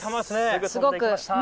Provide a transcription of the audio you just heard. すごく。